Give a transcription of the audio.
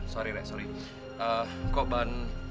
sorry rek sorry kok bahan